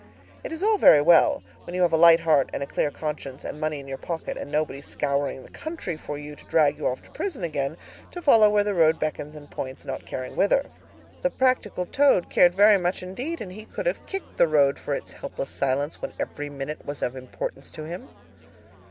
It is all very well, when you have a light heart, and a clear conscience, and money in your pocket, and nobody scouring the country for you to drag you off to prison again, to follow where the road beckons and points, not caring whither. The practical Toad cared very much indeed, and he could have kicked the road for its helpless silence when every minute was of importance to him.